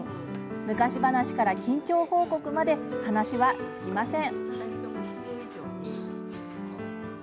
昔話から近況報告まで話は尽きません。